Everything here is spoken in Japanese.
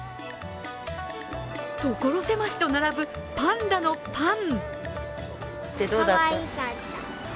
所狭しと並ぶパンダのパン。